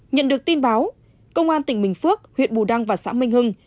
nhận được tin báo công an tỉnh bình phước huyện bù đăng và xã minh hưng